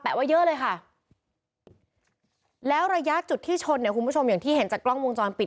ว่าเยอะเลยค่ะแล้วระยะจุดที่ชนเนี่ยคุณผู้ชมอย่างที่เห็นจากกล้องวงจรปิด